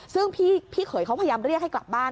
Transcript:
ซึ่งพี่เขยเขาพยายามเรียกให้กลับบ้าน